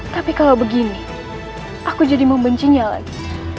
tapi kalau begini aku jadi membencinya lagi